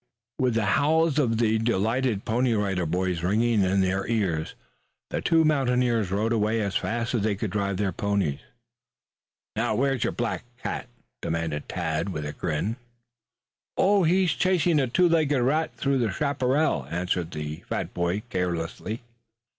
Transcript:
With the howls of the delighted Pony Rider Boys ringing in their ears the two mountaineers rode away as fast as they could drive their ponies. "Now where's your black cat?" demanded Tad with a grin. "Oh, he's chasing a two legged rat through the chaparral," answered the fat boy carelessly.